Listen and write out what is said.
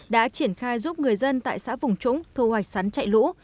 đã triển khai giúp người dân tại xã vùng trũng thu hoạch sắn chạy lũ